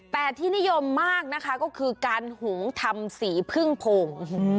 แต่ที่นิยมมากนะคะก็คือการหุงทำสีพึ่งผง